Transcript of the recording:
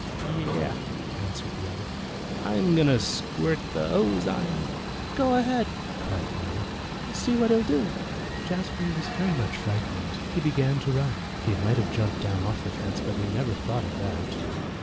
"Yeh!" answered the other. "I'm going to squirt the hose on him!" "Go ahead!" cried the other. "See what he'll do." Jazbury was very much frightened. He began to run. He might have jumped down off the fence, but he never thought of that.